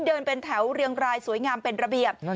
เดินเป็นแถวเรียงรายสวยงามเป็นระเบียบ